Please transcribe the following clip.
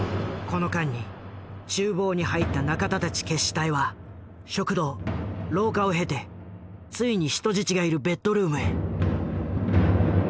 この間に厨房に入った仲田たち決死隊は食堂廊下を経てついに人質がいるベッドルームへ。